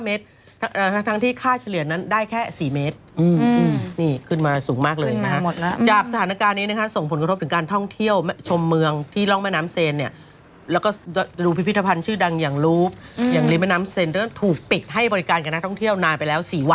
เมตรทั้งที่ค่าเฉลี่ยนั้นได้แค่๔เมตรนี่ขึ้นมาสูงมากเลยนะฮะจากสถานการณ์นี้นะคะส่งผลกระทบถึงการท่องเที่ยวชมเมืองที่ร่องแม่น้ำเซนเนี่ยแล้วก็รูพิพิธภัณฑ์ชื่อดังอย่างรูปอย่างริมแม่น้ำเซนเริ่มถูกปิดให้บริการกับนักท่องเที่ยวนานไปแล้ว๔วัน